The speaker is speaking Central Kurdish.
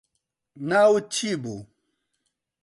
ناوت چی بوو